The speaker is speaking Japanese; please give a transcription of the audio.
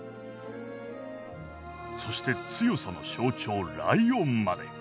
そして強さの象徴ライオンまで。